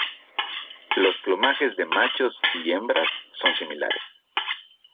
Los plumajes de machos y hembras son similares.